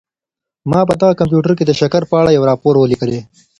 ما په دغه کمپیوټر کي د شکر په اړه یو راپور ولیکلی.